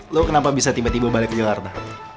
lo kenapa bisa tiba tiba balik ke jakarta